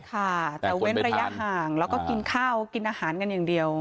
ค่ะแต่เว้นระยะห่างแล้วก็กินข้าวกินอาหารกันอย่างเดียว